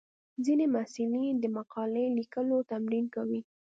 ځینې محصلین د مقالې لیکلو تمرین کوي.